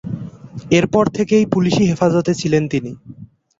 এর পর থেকেই পুলিশি হেফাজতে ছিলেন তিনি।